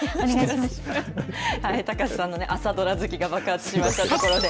高瀬さんの朝ドラ好きが爆発しました。